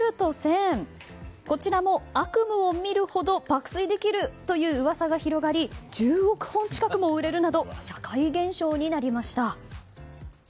こちらも悪夢を見るほど爆睡できるという噂が広がり１０億本近くも売れるなど社会現象になりました。